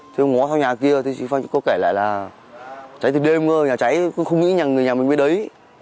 thì ông ngó theo nhà kia thì chị phan chỉ có kể lại là cháy từ đêm thôi nhà cháy cứ không nghĩ nhà mình biết đấy